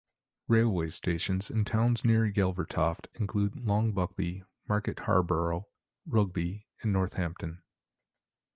Railway stations in towns near Yelvertoft include Long Buckby, Market Harborough, Rugby and Northampton.